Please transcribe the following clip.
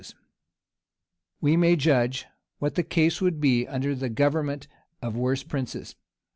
] We may judge what the case would be under the government of worse princes.